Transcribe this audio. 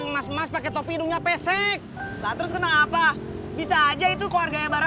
mama di dalam